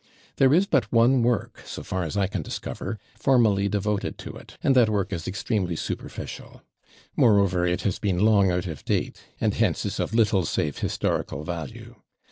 There is but one work, so far as I can discover, formally devoted to it, and that work is extremely superficial. Moreover, it has been long out of date, and hence is of little save historical value.